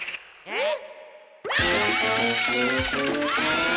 えっ？